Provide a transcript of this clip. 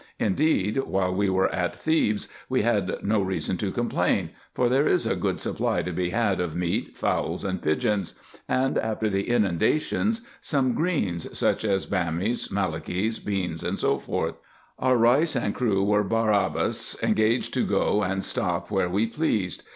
Indeed, while we were at Thebes we had no reason to complain ; for there is a good supply to be had of meat, fowls, and pigeons : and, after the inundation, some greens, such as bamies, malokies, beans, &c. 142 RESEARCHES AND OPERATIONS Our Reis and crew were Barabras, engaged to go and stop where we pleased.